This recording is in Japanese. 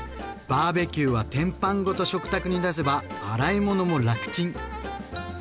バーベキューは天板ごと食卓に出せば洗い物も楽ちん！